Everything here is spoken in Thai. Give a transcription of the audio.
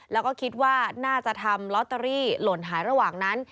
แล้วก็คิดว่าน่าจะทำลอตเตอรี่หล่นหายระหว่างนั้น